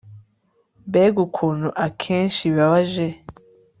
mbega ukuntu akenshi bibabaje